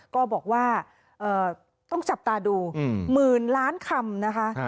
ก็บอกว่าต้องจับตาดูหมื่นล้านคำนะคะ